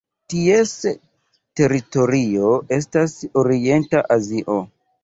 Ties teritorio estas Orienta Azio.